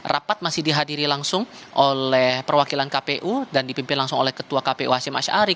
rapat masih dihadiri langsung oleh perwakilan kpu dan dipimpin langsung oleh ketua kpu hashim ashari